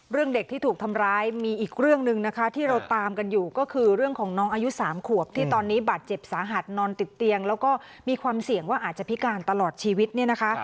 เด็กที่ถูกทำร้ายมีอีกเรื่องหนึ่งนะคะที่เราตามกันอยู่ก็คือเรื่องของน้องอายุ๓ขวบที่ตอนนี้บาดเจ็บสาหัสนอนติดเตียงแล้วก็มีความเสี่ยงว่าอาจจะพิการตลอดชีวิตเนี่ยนะคะ